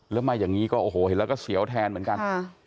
แล้วมาอย่างนี้ก็โอ้โหเห็นแล้วก็เสียวแทนเหมือนกัน